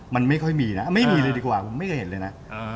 มันไม่ค่อยมีนะไม่ค่อยเห็นเลยนะ